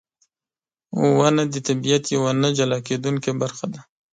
• ونه د طبیعت یوه نه جلا کېدونکې برخه ده.